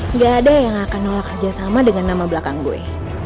nggak ada yang akan nolak kerjasama dengan nama belakang gue